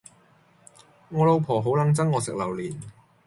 我老婆好撚憎我食榴槤